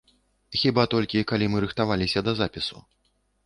Хіба толькі калі мы рыхтаваліся да запісу.